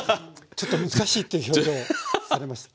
ちょっと難しいっていう表情されました。